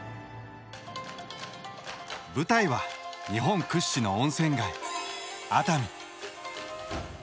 舞台は日本屈指の温泉街熱海。